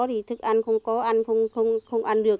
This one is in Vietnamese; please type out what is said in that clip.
thì thức ăn không có ăn không ăn được